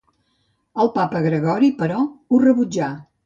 El papa Gregori, però, ho rebutjà.